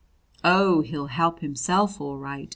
"Oh, he'll help himself all right!"